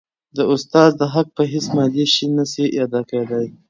د استاد د حق په هيڅ مادي شي نسي ادا کيدای.